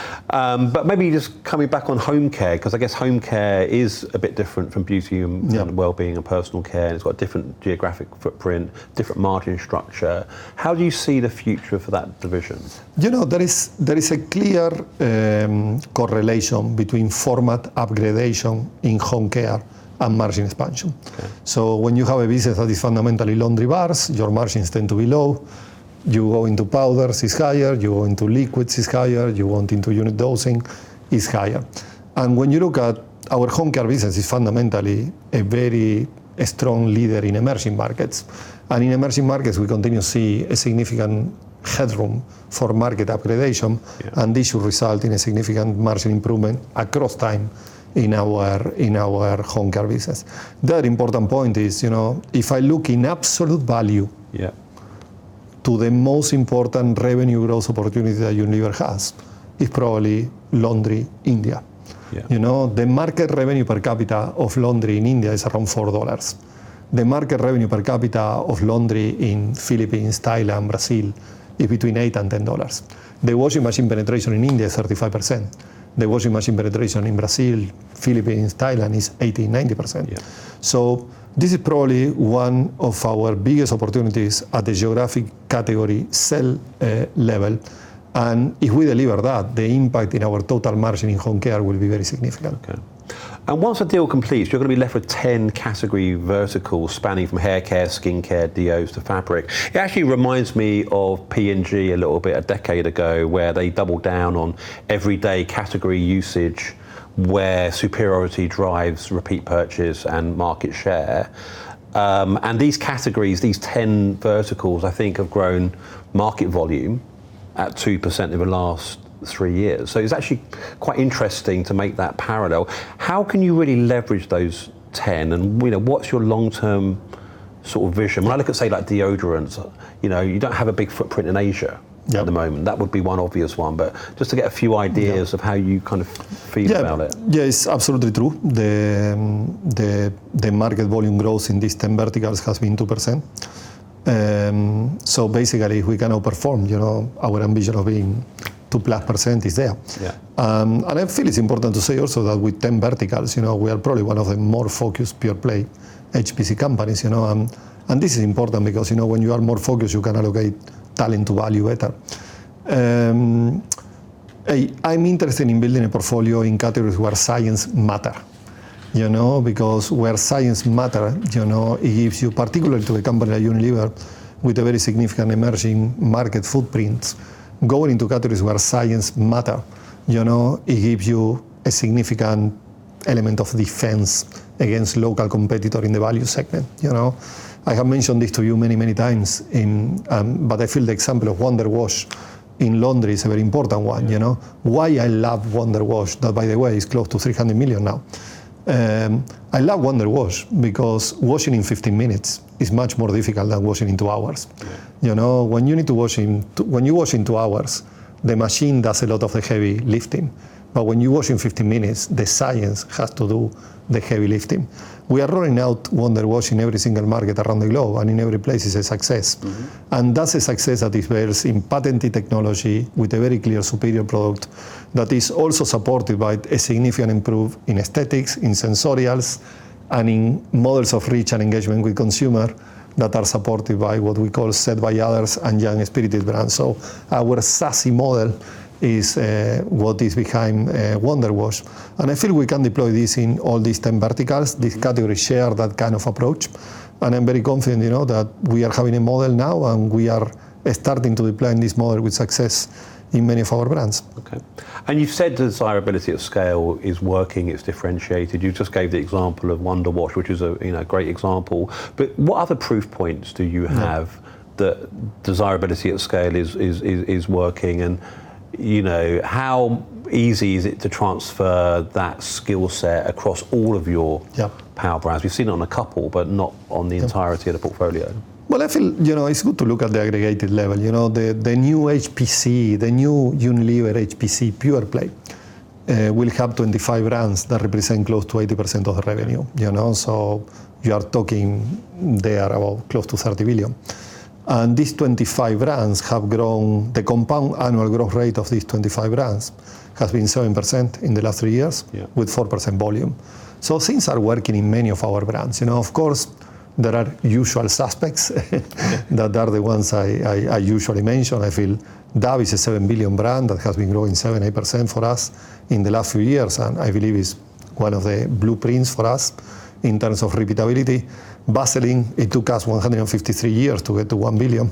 Maybe just coming back on Home Care, because I guess Home Care is a bit different from Beauty. Yeah. Wellbeing and Personal Care, and it's got different geographic footprint, different margin structure. How do you see the future for that division? There is a clear correlation between format upgradation in Home Care and margin expansion. Okay. When you have a business that is fundamentally laundry bars, your margins tend to be low. You go into powders, it's higher. You go into liquids, it's higher. You go into unit dosing, it's higher. When you look at our Home Care business, it's fundamentally a very strong leader in emerging markets. In emerging markets, we continue to see a significant headroom for market upgradation. Yeah. This should result in a significant margin improvement across time in our Home Care business. The important point is, if I look in absolute value. Yeah. To the most important revenue growth opportunities that Unilever has, is probably laundry India. Yeah. The market revenue per capita of laundry in India is around $4. The market revenue per capita of laundry in Philippines, Thailand, Brazil is between $8 and $10. The washing machine penetration in India is 35%. The washing machine penetration in Brazil, Philippines, Thailand is 80%, 90%. Yeah. This is probably one of our biggest opportunities at the geographic category cell level. If we deliver that, the impact in our total margin in Home Care will be very significant. Okay. Once the deal completes, you're going to be left with 10 category verticals spanning from haircare, skincare, deos to fabric. It actually reminds me of P&G a little bit a decade ago, where they doubled down on everyday category usage, where superiority drives repeat purchase and market share. These categories, these 10 verticals, I think, have grown market volume at 2% over the last three years. It's actually quite interesting to make that parallel. How can you really leverage those 10, and what's your long-term vision? When I look at, say, like deodorants, you don't have a big footprint in Asia. Yeah. At the moment. That would be one obvious one just to get a few ideas of how you kind of feel about it. Yeah, it's absolutely true. The market volume growth in these 10 verticals has been 2%. Basically, we can outperform. Our ambition of being 2%+ is there. Yeah. I feel it's important to say also that with 10 verticals, we are probably one of the more focused pure-play HPC companies. This is important because when you are more focused, you can allocate talent to value better. I'm interested in building a portfolio in categories where science matter. Where science matter, it gives you, particularly to a company like Unilever with a very significant emerging market footprint, going into categories where science matter, it gives you a significant element of defense against local competitor in the value segment. I have mentioned this to you many times, but I feel the example of WonderWash in laundry is a very important one. Yeah. Why I love WonderWash, that, by the way, is close to 300 million now. I love Wonder Wash because washing in 15 minutes is much more difficult than washing in two hours. When you wash in two hours, the machine does a lot of the heavy lifting. When you wash in 15 minutes, the science has to do the heavy lifting. We are rolling out WonderWash in every single market around the globe, and in every place is a success. Mm-hmm. That's a success that is based in patented technology with a very clear superior product that is also supported by a significant improvement in Aesthetics, in Sensorials, and in models of reach and engagement with consumer that are supported by what we call Said by others and Young-spirited brands. Our SASSY model is what is behind WonderWash. I feel we can deploy this in all these 10 verticals. These categories share that kind of approach. I'm very confident that we are having a model now, and we are starting to deploy this model with success in many of our brands. Okay. You've said desirability at scale is working, it's differentiated. You just gave the example of WonderWash, which is a great example. What other proof points do you have that desirability at scale is working, and how easy is it to transfer that skill set across all of your? Yeah. Power brands? We've seen it on a couple, but not on the entirety of the portfolio. Well, I feel it's good to look at the aggregated level. The new HPC, the new Unilever HPC pure-play, will have 25 brands that represent close to 80% of the revenue. You are talking there about close to 30 billion. These 25 brands have grown. The compound annual growth rate of these 25 brands has been 7% in the last three years. Yeah. With 4% volume, things are working in many of our brands. Of course, there are usual suspects that are the ones I usually mention. I feel Dove is a $7 billion brand that has been growing 7%-8% for us in the last few years, and I believe is one of the blueprints for us in terms of repeatability. Vaseline, it took us 153 years to get to $1 billion,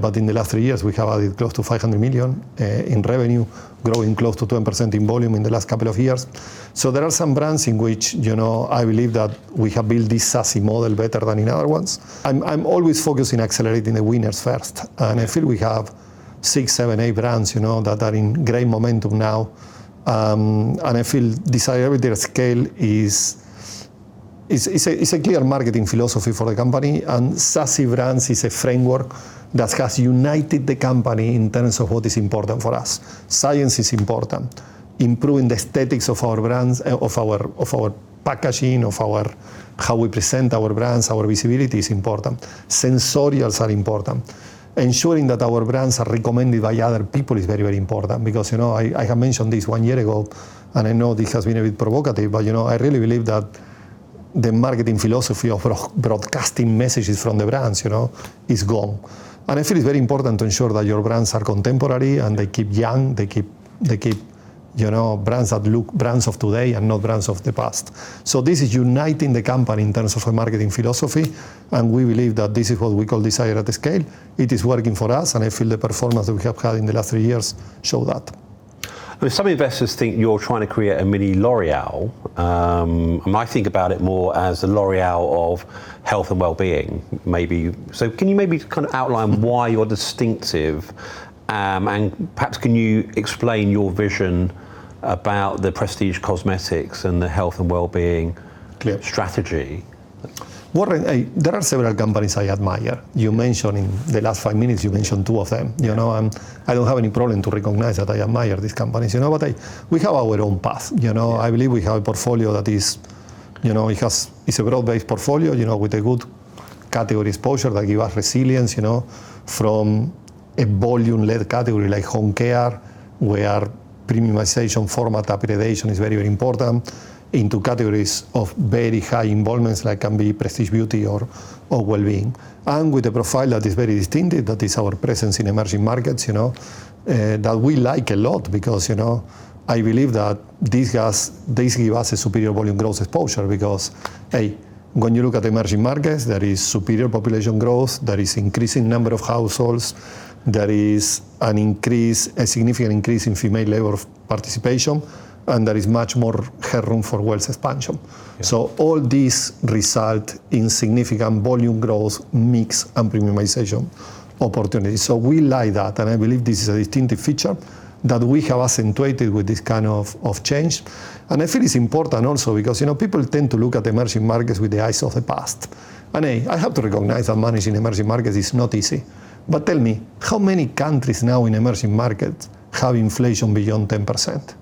but in the last three years, we have added close to $500 million in revenue, growing close to 10% in volume in the last couple of years. There are some brands in which I believe that we have built this SASSY model better than in other ones. I'm always focused on accelerating the winners first. I feel we have six, seven, eight brands that are in great momentum now. I feel desirability at scale is a clear marketing philosophy for the company, and SASSY brands is a framework that has united the company in terms of what is important for us. Science is important. Improving the aesthetics of our brands, of our packaging, of how we present our brands, our visibility is important. Sensorials are important. Ensuring that our brands are recommended by other people is very important because I have mentioned this one year ago, and I know this has been a bit provocative, but I really believe that the marketing philosophy of broadcasting messages from the brands is gone. I feel it's very important to ensure that your brands are contemporary and they keep young, they keep brands of today and not brands of the past. This is uniting the company in terms of a marketing philosophy, and we believe that this is what we call desirability at scale. It is working for us, and I feel the performance that we have had in the last three years show that. Some investors think you're trying to create a mini L'Oréal. I think about it more as the L'Oréal of health and wellbeing, maybe. Can you maybe kind of outline why you're distinctive, and perhaps can you explain your vision about the prestige cosmetics and the health and wellbeing? Clear. Strategy? There are several companies I admire. You mentioned in the last five minutes, you mentioned two of them. I don't have any problem to recognize that I admire these companies. We have our own path. I believe we have a portfolio that is a broad-based portfolio, with a good category exposure that give us resilience, from a volume-led category like Home Care, where premiumization format adaptation is very important, into categories of very high involvements, like can be Prestige Beauty or Wellbeing. With a profile that is very distinctive, that is our presence in emerging markets, that we like a lot because I believe that these give us a superior volume growth exposure because when you look at emerging markets, there is superior population growth, there is increasing number of households, there is a significant increase in female level of participation, and there is much more headroom for wealth expansion. Yeah. All these result in significant volume growth, mix, and premiumization opportunities. We like that, and I believe this is a distinctive feature that we have accentuated with this kind of change. I feel it's important also because people tend to look at the emerging markets with the eyes of the past. I have to recognize that managing emerging markets is not easy. Tell me, how many countries now in emerging markets have inflation beyond 10%?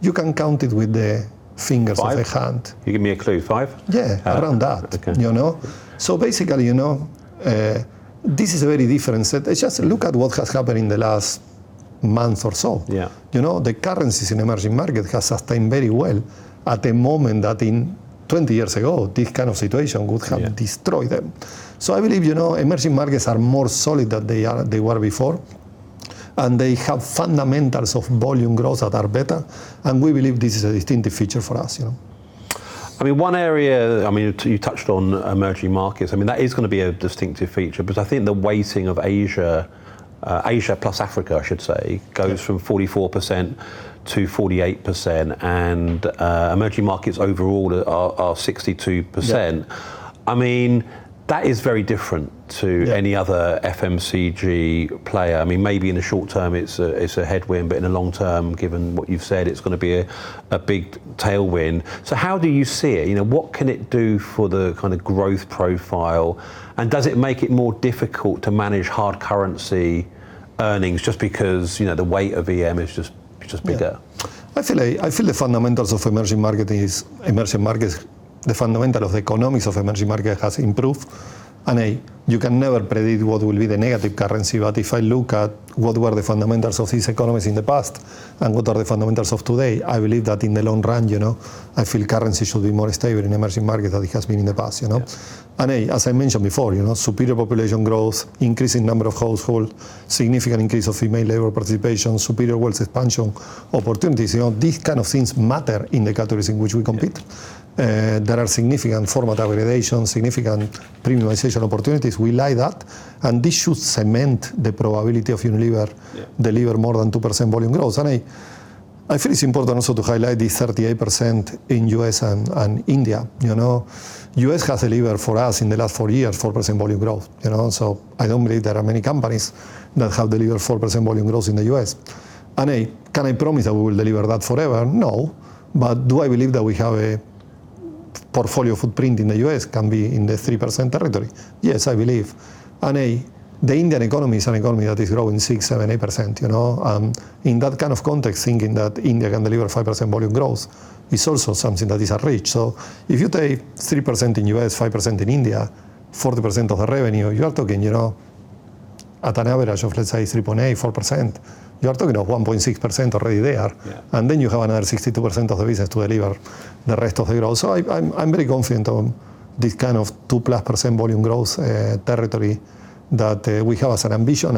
You can count it with the fingers of the hand. Five? You give me a clue. Five? Yeah, around that. Okay. Basically, this is very different. Just look at what has happened in the last month or so. Yeah. The currencies in emerging markets has sustained very well at the moment that in 20 years ago, this kind of situation would have. Yeah. Destroyed them. I believe emerging markets are more solid than they were before, and they have fundamentals of volume growth that are better. We believe this is a distinctive feature for us. One area, you touched on emerging markets. That is going to be a distinctive feature. I think the weighting of Asia plus Africa, I should say. Yeah. Goes from 44%-48%, and emerging markets overall are 62%. Yeah. That is very different to. Yeah. Any other FMCG player. Maybe in the short term it's a headwind, but in the long term, given what you've said, it's going to be a big tailwind. How do you see it? What can it do for the kind of growth profile, and does it make it more difficult to manage hard currency earnings just because the weight of EM is just bigger? Yeah. I feel the fundamentals of emerging markets, the fundamental of the economics of emerging market has improved. You can never predict what will be the negative currency. If I look at what were the fundamentals of these economies in the past, and what are the fundamentals of today, I believe that in the long run, I feel currency should be more stable in emerging market than it has been in the past. Yeah. As I mentioned before, superior population growth, increase in number of household, significant increase of female labor participation, superior wealth expansion opportunities, these kind of things matter in the categories in which we compete. Yeah. There are significant format aggregations, significant premiumization opportunities. We like that. This should cement the probability of Unilever. Yeah. Delivering more than 2% volume growth. I feel it's important also to highlight the 38% in U.S. and India. U.S. has delivered for us in the last four years, 4% volume growth. I don't believe there are many companies that have delivered 4% volume growth in the U.S. Can I promise that we will deliver that forever? No. Do I believe that we have a portfolio footprint in the U.S., can be in the 3% territory? Yes, I believe. The Indian economy is an economy that is growing 6%, 7%, 8%. In that kind of context, thinking that India can deliver 5% volume growth is also something that is a reach. If you take 3% in U.S., 5% in India, 40% of the revenue, you are talking, at an average of, let's say 3.8%, 4%, you are talking of 1.6% already there. Yeah. You have another 62% of the business to deliver the rest of the growth. I'm very confident on this kind of 2%+ volume growth territory that we have as an ambition.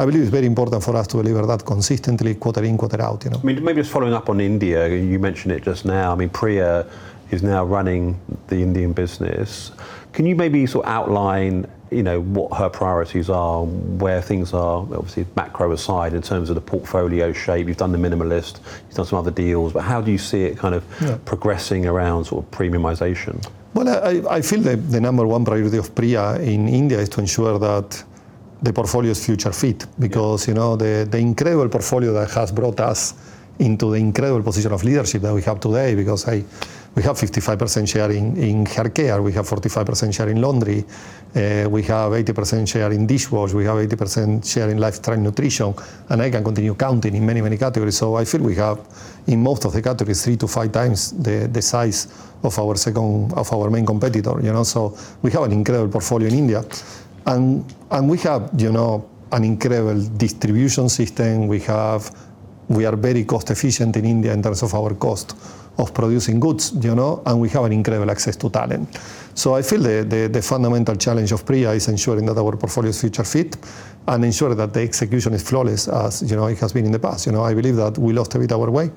I believe it's very important for us to deliver that consistently quarter in, quarter out. Maybe just following up on India, you mentioned it just now. Priya is now running the Indian business. Can you maybe sort of outline what her priorities are, where things are, obviously macro aside, in terms of the portfolio shape? You've done Minimalist, you've done some other deals, but how do you see it kind of? Yeah. Progressing around sort of premiumization? Well, I feel the number one priority of Priya in India is to ensure that the portfolio's future-fit. Yeah. Because the incredible portfolio that has brought us into the incredible position of leadership that we have today, because we have 55% share in hair care, we have 45% share in laundry, we have 80% share in dishwash, we have 80% share in lifetime nutrition, and I can continue counting in many, many categories, I feel we have, in most of the categories, 3x-5x the size of our main competitor. We have an incredible portfolio in India. We have an incredible distribution system. We are very cost efficient in India in terms of our cost of producing goods, and we have an incredible access to talent. I feel the fundamental challenge of Priya is ensuring that our portfolio is future fit and ensure that the execution is flawless as it has been in the past. I believe that we lost a bit our way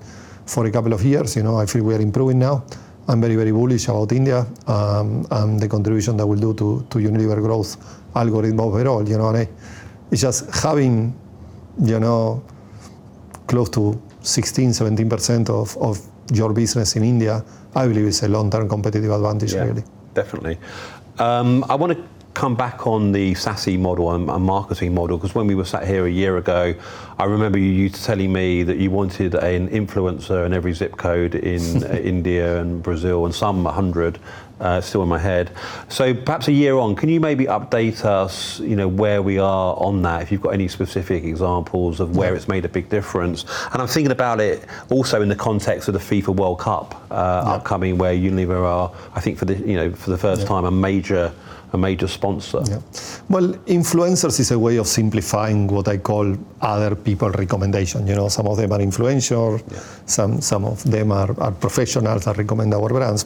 for a couple of years. I feel we are improving now. I'm very, very bullish about India, and the contribution that will do to Unilever growth algorithm overall. It's just having close to 16%-17% of your business in India, I believe, is a long-term competitive advantage, really. Yeah. Definitely. I want to come back on the SASSY model and marketing model, because when we were sat here a year ago, I remember you telling me that you wanted an influencer in every zip code in India and Brazil, and some 100. Still in my head. Perhaps a year on, can you maybe update us where we are on that, if you've got any specific examples of where it's made a big difference? I'm thinking about it also in the context of the FIFA World Cup, upcoming, where Unilever are, I think for the first time. Yeah. A major sponsor. Yeah. Well, influencers is a way of simplifying what I call other people recommendation. Some of them are influential. Yeah. Some of them are professionals that recommend our brands.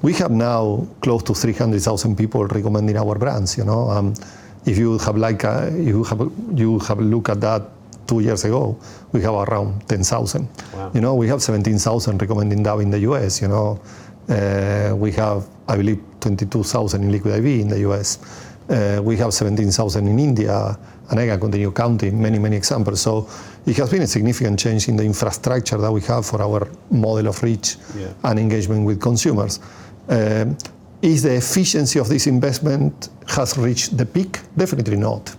We have now close to 300,000 people recommending our brands. If you have a look at that two years ago, we have around 10,000. Wow. We have 17,000 recommending now in the U.S. We have, I believe, 22,000 in Liquid I.V. in the U.S. We have 17,000 in India, and I can continue counting many examples. It has been a significant change in the infrastructure that we have for our model of reach. Yeah. Engagement with consumers. Is the efficiency of this investment has reached the peak? Definitely not.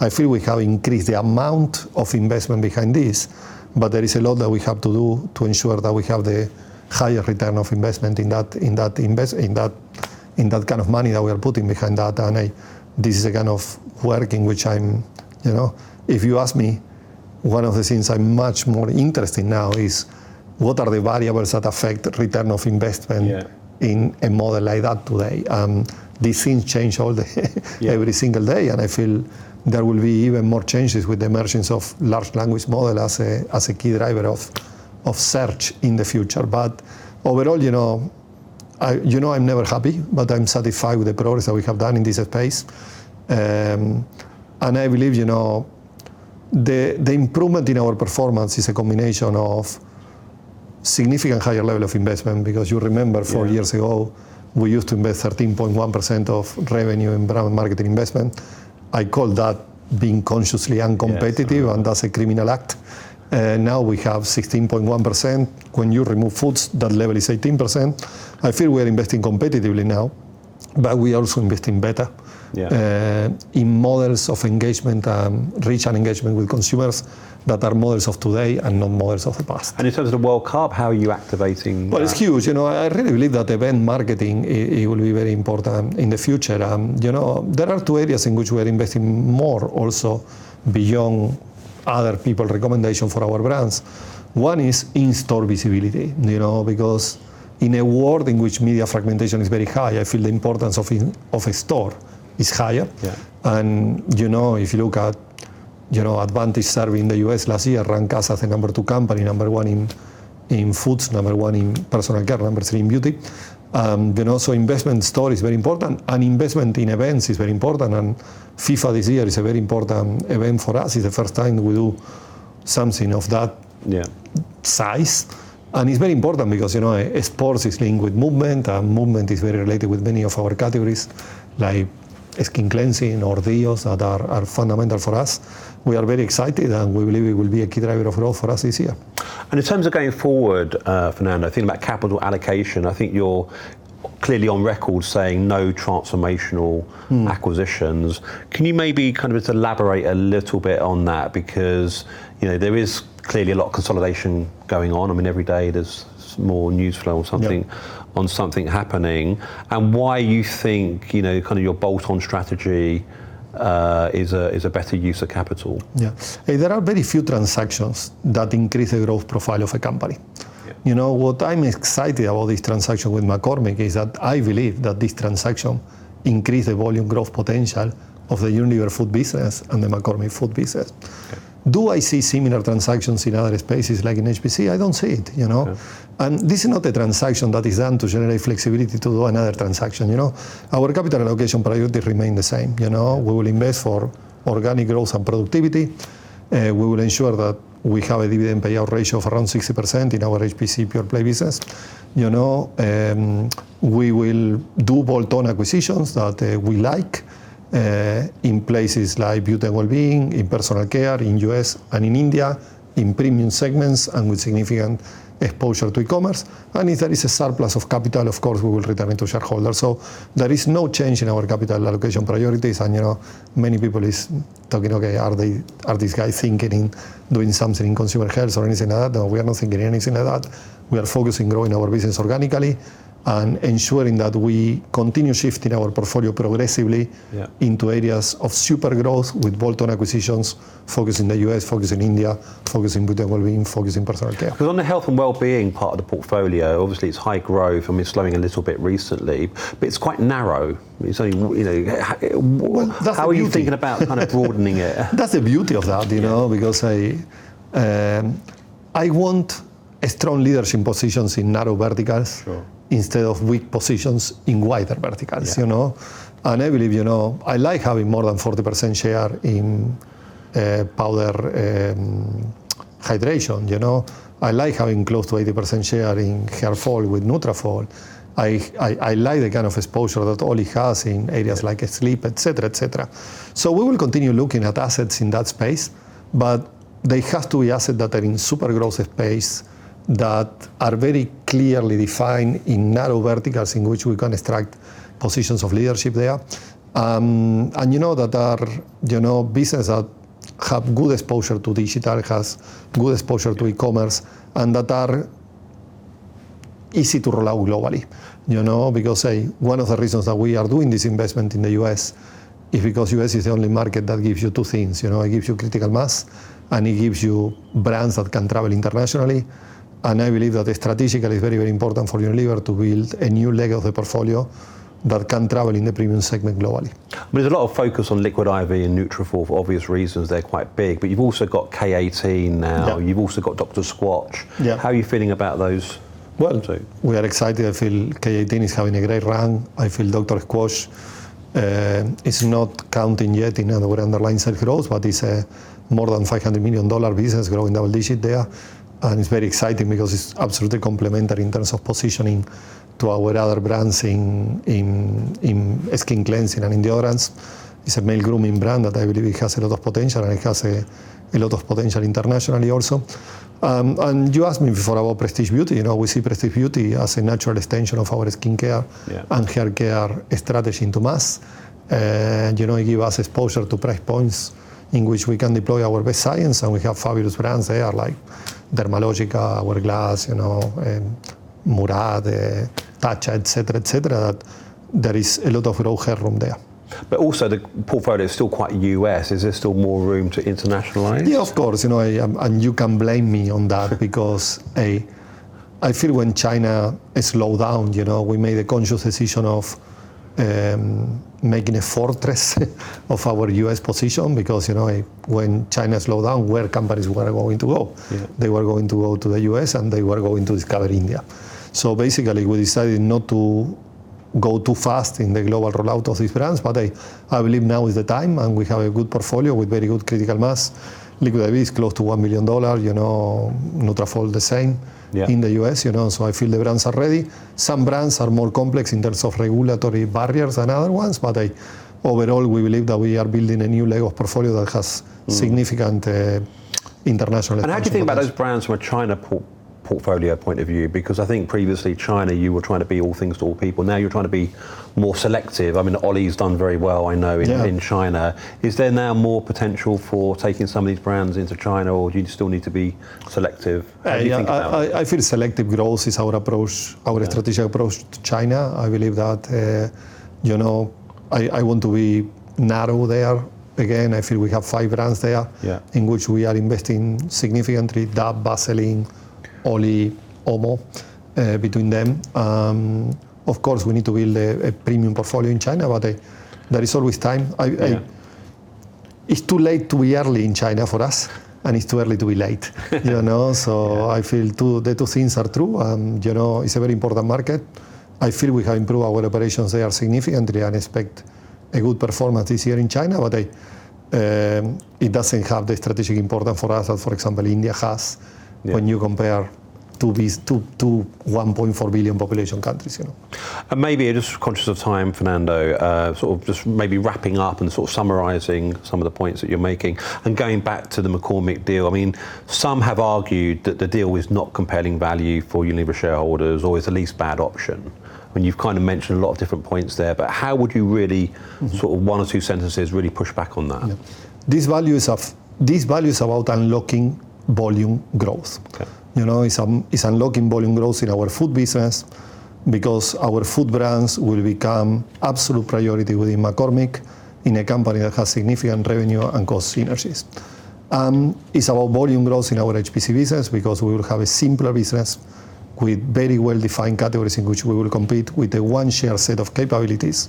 I feel we have increased the amount of investment behind this, but there is a lot that we have to do to ensure that we have the higher Return on Investment in that kind of money that we are putting behind that. If you ask me, one of the things I'm much more interested now is what are the variables that affect the Return on Investment. Yeah. In a model like that today? These things change all day. Yeah. Every single day, I feel there will be even more changes with the emergence of large language model as a key driver of search in the future. Overall, I'm never happy, but I'm satisfied with the progress that we have done in this space. I believe the improvement in our performance is a combination of significant higher level of investment because you remember four years ago, we used to invest 13.1% of revenue in Brand Marketing Investment. I call that being consciously uncompetitive. Yes. That's a criminal act. Now we have 16.1%. When you remove Foods, that level is 18%. I feel we are investing competitively now, but we are also investing better. Yeah. In models of engagement, reach and engagement with consumers that are models of today and not models of the past. In terms of the World Cup, how are you activating that? Well, it's huge. I really believe that event marketing, it will be very important in the future. There are two areas in which we are investing more also beyond other people recommendation for our brands. One is in-store visibility because in a world in which media fragmentation is very high, I feel the importance of a store is higher. Yeah. If you look at Advantage survey the U.S. last year, rank us as the number two company, number one in Foods, number one in Personal Care, number three in Beauty. Also investment story is very important and investment in events is very important. FIFA this year is a very important event for us. It's the first time we do something of that. Yeah. Size. It's very important because sports is linked with movement, and movement is very related with many of our categories like skin cleansing or deos that are fundamental for us. We are very excited, and we believe it will be a key driver of growth for us this year. In terms of going forward, Fernando, thinking about capital allocation, I think you're clearly on record saying no transformational acquisitions. Can you maybe kind of just elaborate a little bit on that because there is clearly a lot of consolidation going on? I mean, every day there's more news flow on something. Yeah. Happening and why you think your bolt-on strategy is a better use of capital? Yeah. There are very few transactions that increase the growth profile of a company. Yeah. What I'm excited about this transaction with McCormick is that I believe that this transaction increase the volume growth potential of the Unilever food business and the McCormick food business. Do I see similar transactions in other spaces like in HPC? I don't see it. Yeah. This is not a transaction that is done to generate flexibility to do another transaction. Our capital allocation priority remain the same. We will invest for organic growth and productivity, we will ensure that we have a dividend payout ratio of around 60% in our HPC pure play business. We will do bolt-on acquisitions that we like, in places like Beauty & Wellbeing, in Personal Care, in U.S. and in India, in premium segments and with significant exposure to e-commerce. If there is a surplus of capital, of course, we will return it to shareholders. There is no change in our capital allocation priorities, and many people is talking, okay, are these guys thinking doing something in consumer health or anything like that? No, we are not thinking anything like that. We are focusing growing our business organically and ensuring that we continue shifting our portfolio progressively. Yeah. Into areas of super growth with bolt-on acquisitions, focused in the U.S., focused in India, focused in Beauty & Wellbeing, focused in Personal Care. Because on the Health & Wellbeing part of the portfolio, obviously, it's high growth. I mean, it's slowing a little bit recently, but it's quite narrow. Well, that's the beauty. How are you think about kind of broadening it? That's the beauty of that because I want strong leadership positions in narrow verticals. Sure. Instead of weak positions in wider verticals. Yeah. I believe, I like having more than 40% share in powder hydration. I like having close to 80% share in hair fall with Nutrafol. I like the kind of exposure that OLLY has in areas like sleep, et cetera, et cetera. We will continue looking at assets in that space, but they have to be asset that are in super growth space, that are very clearly defined in narrow verticals in which we can strike positions of leadership there, that are business that have good exposure to digital, has good exposure to e-commerce, and that are easy to roll out globally because one of the reasons that we are doing this investment in the U.S. is because U.S. is the only market that gives you two things. It gives you critical mass, and it gives you brands that can travel internationally. I believe that strategically very, very important for Unilever to build a new leg of the portfolio that can travel in the premium segment globally. There's a lot of focus on Liquid I.V. and Nutrafol for obvious reasons. They're quite big, but you've also got K18 now. Yeah. You've also got Dr. Squatch. Yeah. How are you feeling about those two? Well, we are excited. I feel K18 is having a great run. I feel Dr. Squatch is not counting yet in our underlying sales growth, but it's a more than $500 million business growing double-digit there. It's very exciting because it's absolutely complementary in terms of positioning to our other brands in skin cleansing and deodorants. It's a male grooming brand that I believe it has a lot of potential, and it has a lot of potential internationally also. You asked me before about prestige beauty. We see prestige beauty as a natural extension of our skincare. Yeah. And haircare strategy into mass. And it give us exposure to price points in which we can deploy our best science, and we have fabulous brands there like, Dermalogica, Hourglass, and Murad, Tatcha, et cetera, et cetera. There is a lot of low-hang fruit there. Also the portfolio is still quite U.S. Is there still more room to internationalize? Yeah, of course. You can blame me on that because I feel when China slowed down, we made a conscious decision of making a fortress of our U.S. position because, when China slowed down, where companies were going to go? Yeah. They were going to go to the U.S., and they were going to discover India. Basically, we decided not to go too fast in the global rollout of these brands. I believe now is the time, and we have a good portfolio with very good critical mass. Liquid I.V. is close to $1 billion, Nutrafol the same. Yeah. In the U.S., I feel the brands are ready. Some brands are more complex in terms of regulatory barriers than other ones. Overall, we believe that we are building a new layer of portfolio that has significant international potential as well. How do you think about those brands from a China portfolio point of view, because I think previously China, you were trying to be all things to all people? Now you're trying to be more selective. I mean, OLLY's done very well, I know. Yeah. In China. Is there now more potential for taking some of these brands into China, or do you still need to be selective? How do you think about that? I feel selective growth is our strategic approach to China. I believe that I want to be narrow there. Again, I feel we have five brands there. Yeah. In which we are investing significantly, Dove, Vaseline, OLLY, OMO, between them. Of course, we need to build a premium portfolio in China, but there is always time. Yeah. It's too late to be early in China for us, and it's too early to be late. You know? I feel the two things are true, and it's a very important market. I feel we have improved our operations there significantly and expect a good performance this year in China. It doesn't have the strategic importance for us as, for example, India has. Yeah. When you compare two 1.4 billion population countries. Maybe just conscious of time, Fernando, sort of just maybe wrapping up and sort of summarizing some of the points that you're making and going back to the McCormick deal. I mean, some have argued that the deal is not compelling value for Unilever shareholders or is the least bad option. I mean, you've kind of mentioned a lot of different points there, but how would you really sort of one or two sentences really push back on that? Yeah. This value is about unlocking volume growth. Okay. It's unlocking volume growth in our food business because our food brands will become absolute priority within McCormick, in a company that has significant revenue and cost synergies. It's about volume growth in our HPC business because we will have a simpler business with very well-defined categories in which we will compete with the one shared set of capabilities,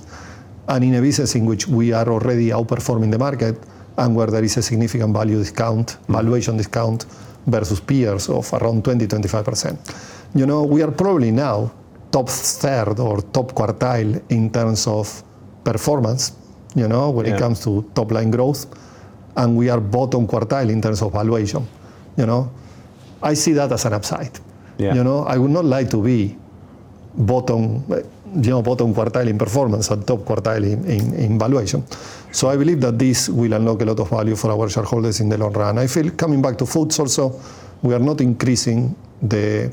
and in a business in which we are already outperforming the market and where there is a significant valuation discount versus peers of around 20%-25%. We are probably now top third or top quartile in terms of performance, when it comes to top-line growth, and we are bottom quartile in terms of valuation. I see that as an upside. Yeah. I would not like to be bottom quartile in performance and top quartile in valuation. I believe that this will unlock a lot of value for our shareholders in the long run. I feel, coming back to foods also, we are not increasing the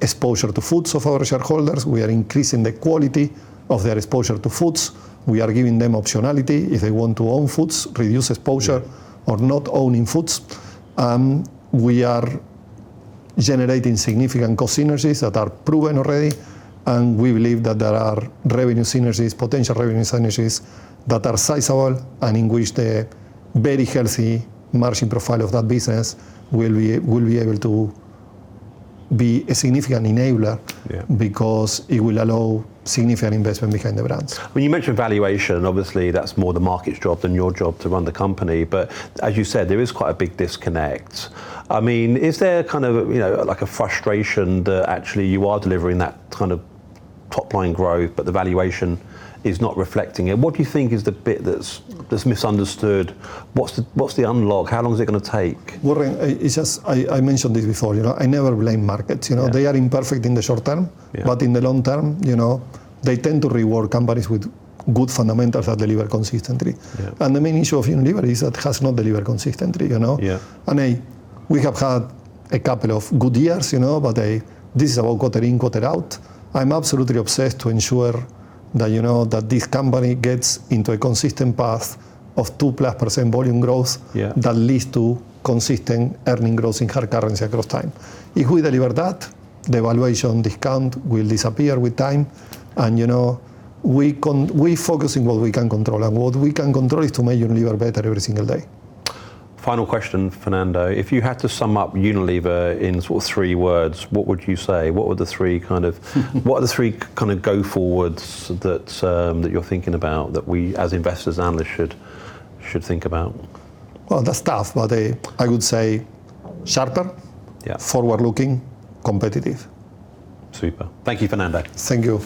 exposure to foods of our shareholders. We are increasing the quality of their exposure to foods. We are giving them optionality if they want to own foods, reduce exposure, or not owning foods. We are generating significant cost synergies that are proven already, and we believe that there are potential revenue synergies that are sizable and in which the very healthy margin profile of that business will be able to be a significant enabler. Yeah. Because it will allow significant investment behind the brands. When you mention valuation, and obviously that's more the market's job than your job to run the company, but as you said, there is quite a big disconnect. Is there kind of like a frustration that actually you are delivering that kind of top-line growth, but the valuation is not reflecting it? What do you think is the bit that's misunderstood? What's the unlock? How long is it going to take? Warren, it's just I mentioned it before. I never blame markets. Yeah. They are imperfect in the short term. Yeah. In the long term, they tend to reward companies with good fundamentals that deliver consistently. Yeah. The main issue of Unilever is that it has not delivered consistently. Yeah. I mean, we have had a couple of good years, but this is about quarter in, quarter out. I'm absolutely obsessed to ensure that this company gets into a consistent path of 2%+ volume growth. Yeah. That leads to consistent earning growth in hard currency across time. If we deliver that, the valuation discount will disappear with time. We focus on what we can control, and what we can control is to make Unilever better every single day. Final question, Fernando. If you had to sum up Unilever in sort of three words, what would you say? What are the three kind of go forwards that you're thinking about that we, as investors and analysts, should think about? Well, that's tough, but I would say sharper. Yeah. Forward-looking, competitive. Super. Thank you, Fernando. Thank you.